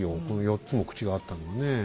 この４つも口があったのはね。